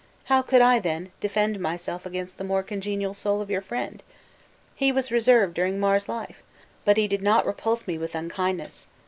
How could I, then, defend myself against the more congenial soul of your friend? He was reserved during Mar's life! but he did not repulse me with unkindness.